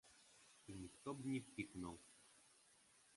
І ніхто б не пікнуў.